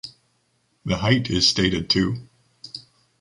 The height is stated too.